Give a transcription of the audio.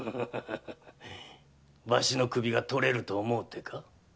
わしの首が取れると思うてか？